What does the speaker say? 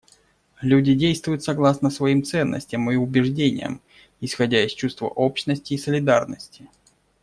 Люди действуют согласно своим ценностям и убеждениям, исходя из чувства общности и солидарности.